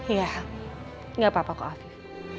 ya gak apa apa kok afif